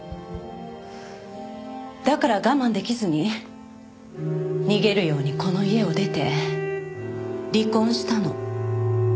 だから我慢できずに逃げるようにこの家を出て離婚したの。